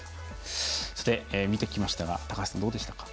さて、見てきましたが高橋さん、どうでしたか？